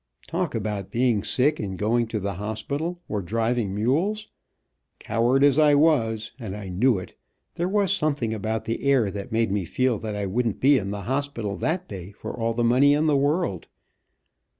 Talk about being sick, and going to the hospital, or driving mules! Coward as I was, and I knew it, there was something about the air that made me feel that I wouldn't be in the hospital that day for all the money in the world.